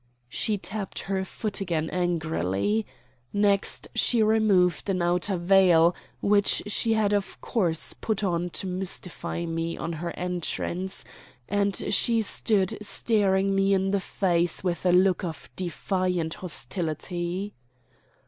She tapped her foot again angrily. Next she removed an outer veil, which she had of course put on to mystify me on her entrance; and she stood staring me in the face with a look of defiant hostility.